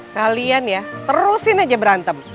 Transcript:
kalian ya terusin aja berantem